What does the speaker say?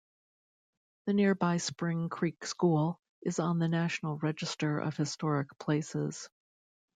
The nearby Spring Creek School is on the National Register of Historic Places.